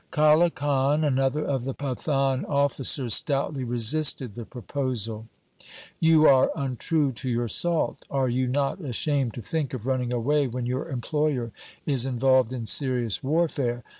Kale Khan, another of the Pathan officers, stoutly resisted the proposal :' You are untrue to your salt. Are you not ashamed to think of running away when your employer is involved in serious warfare